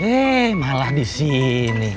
hei malah disini